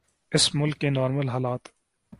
اس ملک کے نارمل حالات۔